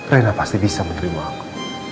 rena pasti bisa menerima aku